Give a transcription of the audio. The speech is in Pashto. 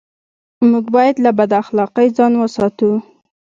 موږ بايد له بد اخلاقۍ ځان و ساتو.